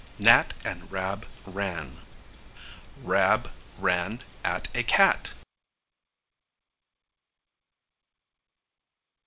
Nat and Rab ran. Rab ran at a cat.